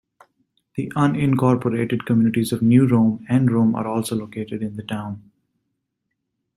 The unincorporated communities of New Rome and Rome are also located in the town.